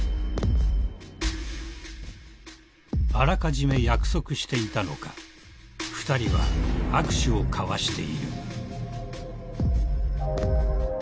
［あらかじめ約束していたのか２人は握手を交わしている］